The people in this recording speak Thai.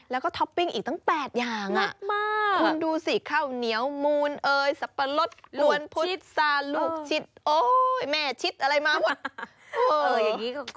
แล้วก็ท็อปปิ้งอีกตั้ง๘อย่าง